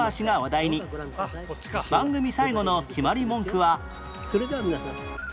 番組最後の決まり文句は